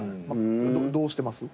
どうしてます？